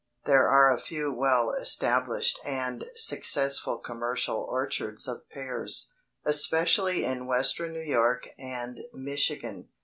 There are a few well established and successful commercial orchards of pears, especially in western New York and Michigan.